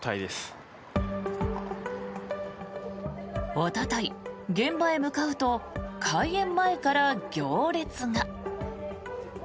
おととい、現場へ向かうと開園前から行列が。